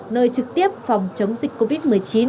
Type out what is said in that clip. nơi trực tiếp phòng chống dịch covid một mươi chín